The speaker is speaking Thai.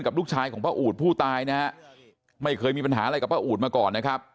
ลูกชายของพระอูดผู้ตายนะฮะไม่เคยมีปัญหาอะไรกับพระอูดมาก่อนนะครับ